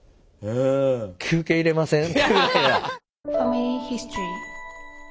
休憩入れません？